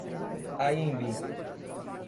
Anhembi